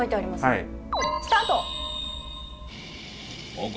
はい。